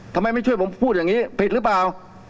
ทำไมไม่ช่วยผมพูดอย่างนี้ผิดหรือเปล่า